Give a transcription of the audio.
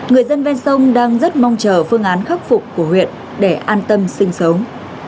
người dân ven sông đang rất mong chờ phương án khắc phục của huyện để an tâm sinh sống